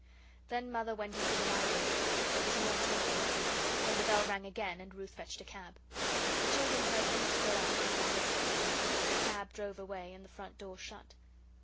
Then Mother went into the Library. There was more talking. Then the bell rang again, and Ruth fetched a cab. The children heard boots go out and down the steps. The cab drove away, and the front door shut.